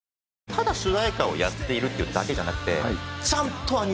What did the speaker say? ただ主題歌をやっているっていうだけじゃなくて。